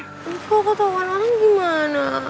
kok ketawa lagi gimana